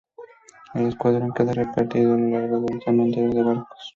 El escuadrón queda repartido a lo largo de un cementerio de barcos.